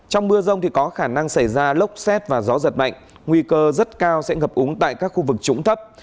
trong mưa rông thì có khả năng xảy ra lốc xét và gió giật mạnh nguy cơ rất cao sẽ ngập úng tại các khu vực trũng thấp